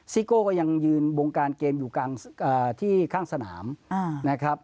โก้ก็ยังยืนวงการเกมอยู่ที่ข้างสนามนะครับ